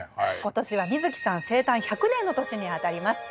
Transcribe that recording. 今年は水木さん生誕１００年の年に当たります。